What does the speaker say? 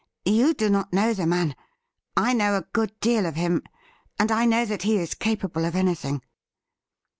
You do not know the man. I know a good deal of him, and I know that he is capable of any thing.'